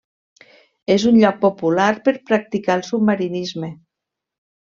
És un lloc popular per practicar el submarinisme.